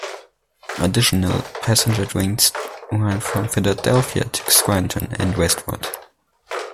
Additional passenger trains ran from Philadelphia to Scranton and westward.